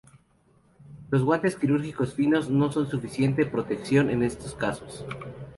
Los guantes quirúrgicos finos no son suficiente protección en estos casos.